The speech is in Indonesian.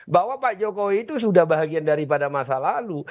bahwa pak jokowi itu sudah bahagian daripada masa lalu